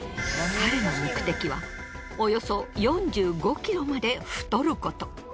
彼の目的はおよそ４５ｋｇまで太ること。